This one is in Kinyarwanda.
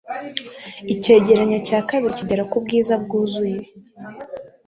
icyegeranyo cya kabiri kigera kubwiza bwuzuye